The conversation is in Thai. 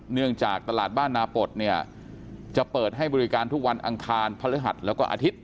เนื่องจากตลาดบ้านนาปศเนี่ยจะเปิดให้บริการทุกวันอังคารพฤหัสแล้วก็อาทิตย